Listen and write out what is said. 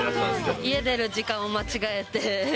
家出る時間を間違えて。